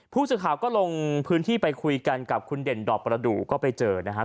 ผู้สื่อข่าวก็ลงพื้นที่ไปคุยกันกับคุณเด่นดอกประดูกก็ไปเจอนะฮะ